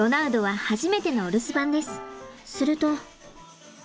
すると。